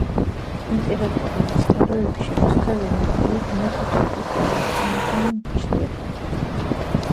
ამ ტიპის სისხლდენის შეჩერება საკმაოდ იოლია, თუმცა ასევე იოლად ხდება სისხლდენის განახლება იმავე ადგილიდან.